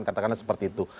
katakanlah seperti itu